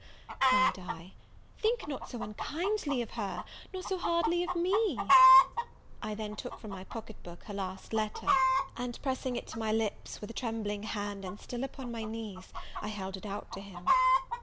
cried I; "think not so unkindly of her, nor so hardly of me." I then took from my pocketbook her last letter; and, pressing it to my lips, with a trembling hand, and still upon my knees, I held it out to him.